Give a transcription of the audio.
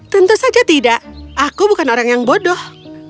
tentu saja tidak aku bukan orang yang bodoh